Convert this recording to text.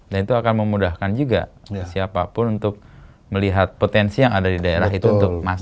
dan itu akan memudahkan juga siapapun untuk melihat potensi yang ada di daerah itu untuk masukin